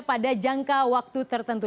pada jangka waktu tertentu